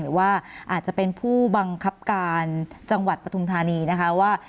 หรือว่าอาจจะเป็นผู้บังคับการจังหวัดปฐุมธานีนะคะว่า